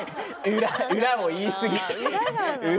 裏を言いすぎ。